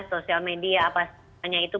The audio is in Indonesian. sosial media apa semuanya itu